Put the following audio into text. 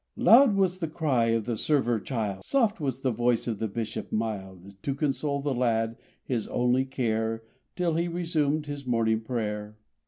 Loud was the cry of the server child, Soft was the voice of the Bishop mild; To console the lad his only care Till he resumed his morning prayer.